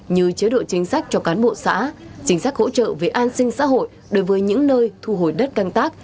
như chế độ chính sách cho cán bộ xã chính sách hỗ trợ về an sinh xã hội đối với những nơi thu hồi đất canh tác